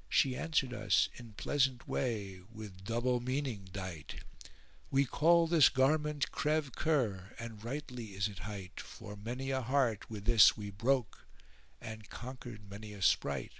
* She answered us in pleasant way with double meaning dight; "We call this garment creve coeur; and rightly is it hight, * For many a heart wi' this we broke [FN#415] and conquered many a sprite!"